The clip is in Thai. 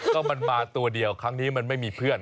ก็มันมาตัวเดียวครั้งนี้มันไม่มีเพื่อน